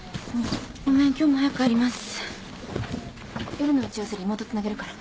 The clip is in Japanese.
夜の打ち合わせリモートつなげるから。